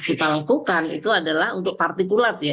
kita lakukan itu adalah untuk partikulat ya